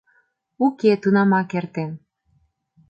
— Уке, тунамак эртен.